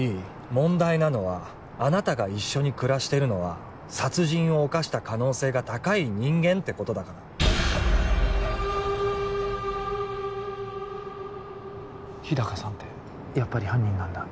問題なのはあなたが一緒に暮らしてるのは殺人を犯した可能性が高い人間ってことだから日高さんってやっぱり犯人なんだ？